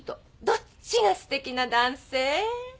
どっちがすてきな男性？